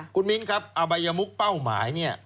คุณมิ้นครับอบัยมุกเป้าหมายเนี่ย